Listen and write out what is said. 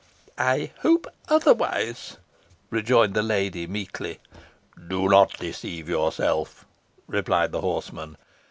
"I hope otherwise," rejoined the lady, meekly. "Do not deceive yourself," replied the horseman.